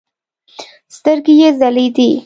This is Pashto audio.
سترګې يې ځلېدې.